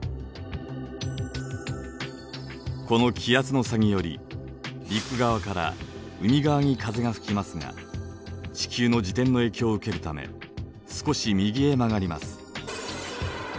この気圧の差により陸側から海側に風が吹きますが地球の自転の影響を受けるため少し右へ曲がります。